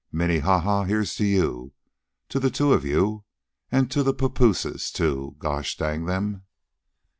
Minnehaha, here's to you to the two of you an' to the papooses, too, gosh dang them!"